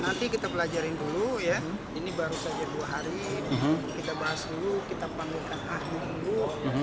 nanti kita pelajarin dulu ya ini baru saja dua hari kita bahas dulu kita panggil ah nunggu